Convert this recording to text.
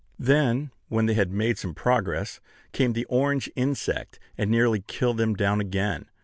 Then, when they had made some progress, came the orange insect, and nearly killed them down again.